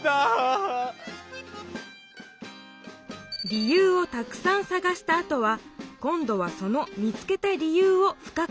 理由をたくさんさがしたあとは今どはその見つけた理由を深くほり下げる。